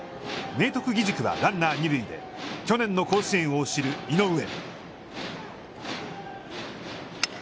明徳義塾はランナー二塁で、去年の甲子園を知る井上。